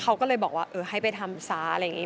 เขาก็เลยบอกว่าเออให้ไปทำซะอะไรอย่างนี้